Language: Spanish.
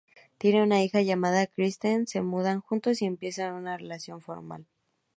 Tienen una hija llamada Christine, se mudan juntos y empiezan una relación formal.